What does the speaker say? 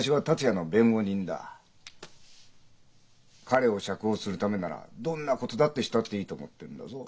彼を釈放するためならどんなことだってしたっていいと思ってるんだぞ。